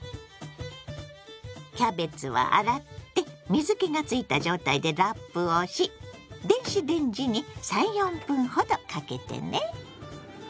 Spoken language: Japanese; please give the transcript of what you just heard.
キャベツは洗って水けがついた状態でラップをし電子レンジに３４分ほどかけてね。